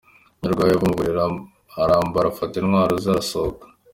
Nyarwaya ava ku buriri, arambara afata intwaro ze arasohoka.